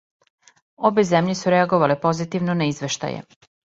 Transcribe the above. Обе земље су реаговале позитивно на извештаје.